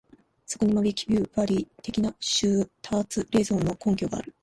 そこにマキァヴェリ的なシュターツ・レーゾンの根拠がある。